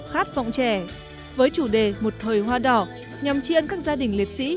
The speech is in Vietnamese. khát vọng trẻ với chủ đề một thời hoa đỏ nhằm chi ơn các gia đình liệt sĩ